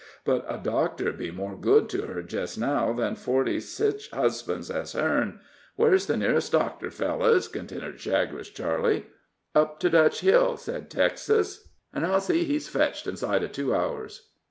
"But a doctor'd be more good to her jes' now than forty sich husbands as her'n. Where's the nearest doctor, fellers?" continued Chagres Charley. "Up to Dutch Hill," said Texas; "an' I'll see he's fetched inside of two hours."